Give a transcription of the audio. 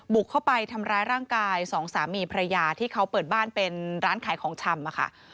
บุกเข้าไปทำร้ายร่างกายสองสามีภรรยาที่เขาเปิดบ้านเป็นร้านขายของชำอะค่ะ